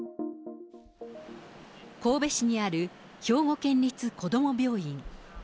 神戸市にある、兵庫県立こども病院。